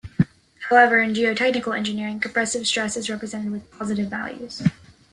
However, in geotechnical engineering, compressive stress is represented with positive values.